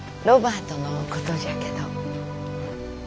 ロバートのことじゃけど。